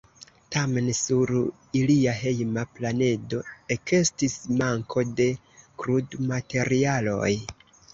Tamen sur ilia hejma planedo ekestis manko de krudmaterialoj.